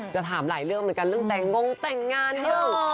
จะถามหลายเรื่องเหมือนกันเรื่องแต่งงแต่งงานเรื่อง